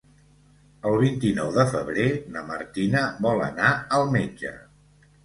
El vint-i-nou de febrer na Martina vol anar al metge.